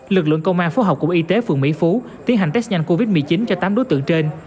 lực lượng công an phố học cùng y tế phường mỹ phú tiến hành test nhanh covid một mươi chín cho tám đối tượng trên